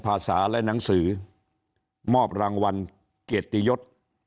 ภาษาและหนังสือมอบรางวัลเกียรติยศ